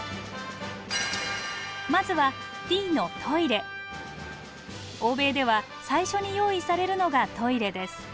まずは欧米では最初に用意されるのがトイレです。